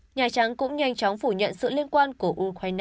nhà trắng cũng nhanh chóng phủ nhận sự liên quan của ukraine